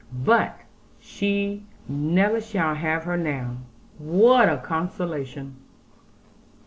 But she never shall have her now; what a consolation!'